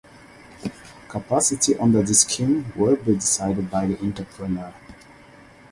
Capacity under this scheme will be decided by the entrepreneur.